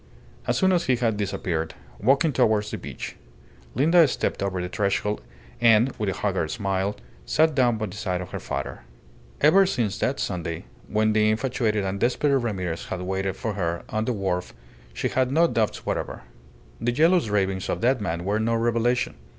As soon as he had disappeared, walking towards the beach, Linda stepped over the threshold and, with a haggard smile, sat down by the side of her father. Ever since that Sunday, when the infatuated and desperate Ramirez had waited for her on the wharf, she had no doubts whatever. The jealous ravings of that man were no revelation.